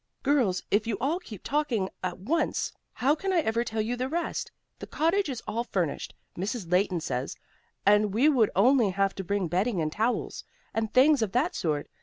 "Girls, if you all keep talking at once, how can I ever tell you the rest? The cottage is all furnished, Mrs. Leighton says, and we would only have to bring bedding and towels, and things of that sort.